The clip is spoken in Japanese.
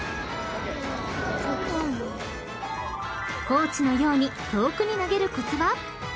［コーチのように遠くに投げるコツは？］